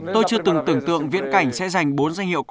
tôi chưa từng tưởng tượng viễn cảnh sẽ giành bốn danh hiệu